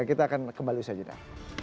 kita akan kembali saja dah